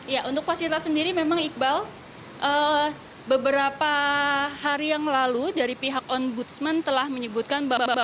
ya untuk fasilitas sendiri memang iqbal beberapa hari yang lalu dari pihak ombudsman telah menyebutkan bahwa